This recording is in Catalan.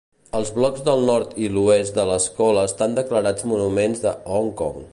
Els blocs del nord i l'oest de l'Escola estan declarats monuments de Hong Kong.